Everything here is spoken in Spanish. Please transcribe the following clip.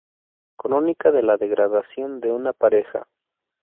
Crónica de la degradación de una pareja.